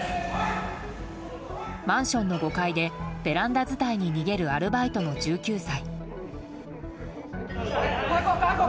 マンションの５階でベランダ伝いに逃げるアルバイトの１９歳。